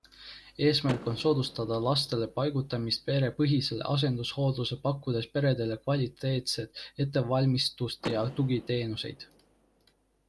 Eesmärk on soodustada laste paigutamist perepõhisele asendushooldusele pakkudes peredele kvaliteetset ettevalmistust ja tugiteenuseid.